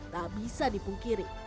tak bisa dipungkiri